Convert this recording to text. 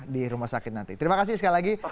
di rumah sakit nanti terima kasih sekali lagi